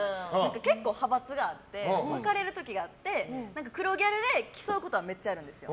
結構、派閥があって分かれる時があって黒ギャルで競うことはめっちゃあるんですよ。